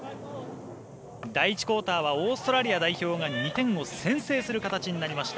第１クオーターはオーストラリア代表が２点を先制する形になりました。